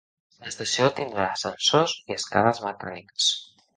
L'estació tindrà ascensors i escales mecàniques.